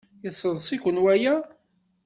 Yesseḍs-iken waya?